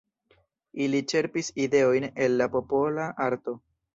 Ili ĉerpis ideojn el la popola arto.